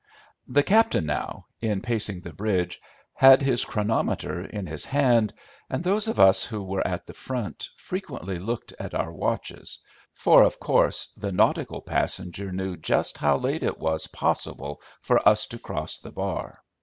The captain now, in pacing the bridge, had his chronometer in his hand, and those of us who were at the front frequently looked at our watches, for of course the nautical passenger knew just how late it was possible for us to cross the bar.